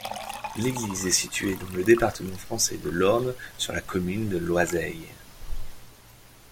L'église est située dans le département français de l'Orne, sur la commune de Loisail.